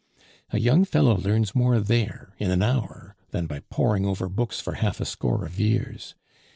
A young fellow learns more there in an hour than by poring over books for half a score of years.